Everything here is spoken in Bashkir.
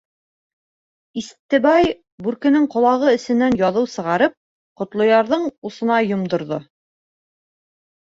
Истебай, бүркенең ҡолағы эсенән яҙыу сығарып, Ҡотлоярҙың усына йомдорҙо.